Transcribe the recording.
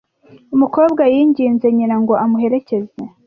Umukobwa yinginze nyina ngo amuherekeze.